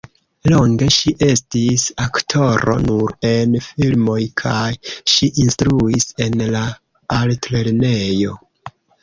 Longe ŝi estis aktoro nur en filmoj kaj ŝi instruis en la altlernejo.